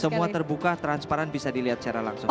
semua terbuka transparan bisa dilihat secara langsung